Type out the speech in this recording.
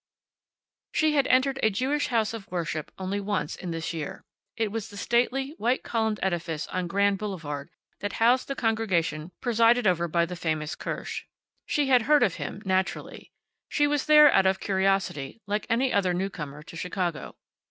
She had entered a Jewish house of worship only once in this year. It was the stately, white columned edifice on Grand Boulevard that housed the congregation presided over by the famous Kirsch. She had heard of him, naturally. She was there out of curiosity, like any other newcomer to Chicago.